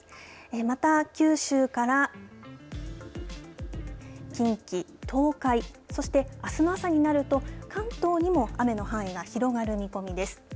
また、九州から近畿、東海そしてあすの朝になると関東にも雨の範囲が広がる見込みです。